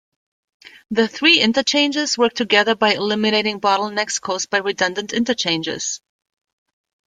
The three interchanges work together by eliminating bottlenecks caused by redundant interchanges.